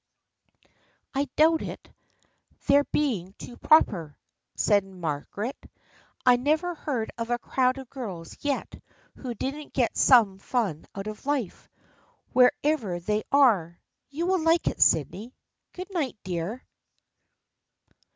" I doubt it — their being too proper," said Mar garet. " I never heard of a crowd of girls yet who didn't get some fun out of life, wherever they are. You will like it, Sydney. Good night, dear."